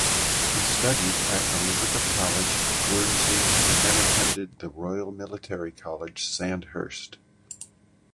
He studied at Elizabeth College, Guernsey, and then attended the Royal Military College, Sandhurst.